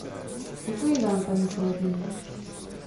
Děkuji vám, paní kolegyně.